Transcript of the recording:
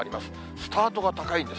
スタートが高いんです。